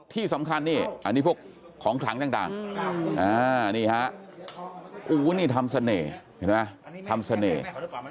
ที่สำคัญนี่อันนี้พวกของขลังต่างอันนี้ฮะอู๋นี่ทำเสน่ห์